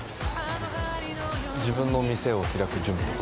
自分の店を開く準備とか。